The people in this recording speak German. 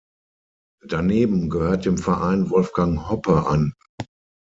Daneben gehört dem Verein Wolfgang Hoppe an.